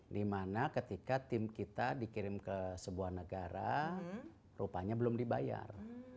dimana ketika tim kita dikirim ke sebuah negara rupanya belum dibayar